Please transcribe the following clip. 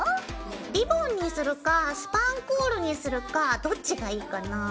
リボンにするかスパンコールにするかどっちがいいかな？